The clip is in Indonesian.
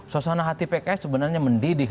suasana hati pks sebenarnya mendidih